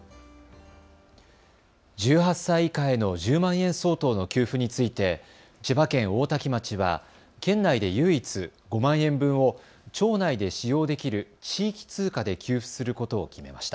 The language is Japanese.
１８歳以下への１０万円相当の給付について千葉県大多喜町は県内で唯一、５万円分を町内で使用できる地域通貨で給付することを決めました。